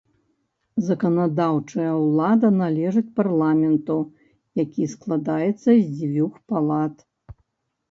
Заканадаўчая ўлада належыць парламенту, які складаецца з дзвюх палат.